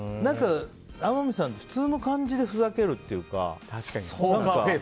天海さんって普通の感じでふざけるっていうか。